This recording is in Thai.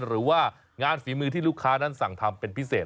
หรือว่างานฝีมือที่ลูกค้านั้นสั่งทำเป็นพิเศษ